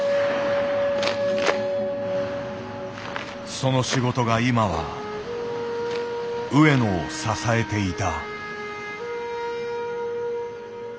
その仕事が今は上野を支えていた。